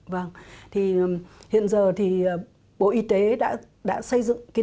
vâng thì hiện giờ thì bộ y tế đã xây dựng cái